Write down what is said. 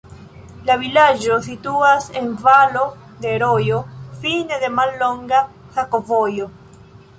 La vilaĝo situas en valo de rojo, fine de mallonga sakovojo.